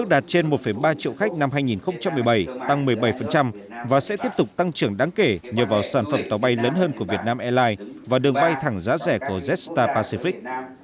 các chuyến bay đầu tiên sẽ bắt đầu khai thác từ đầu tháng chín năm hai nghìn một mươi bảy tăng một mươi bảy và sẽ tiếp tục tăng trưởng đáng kể nhờ vào sản phẩm tàu bay lớn hơn của vietnam airlines và đường bay thẳng giá rẻ của jetstar pacific